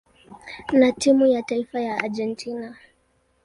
na timu ya taifa ya Argentina.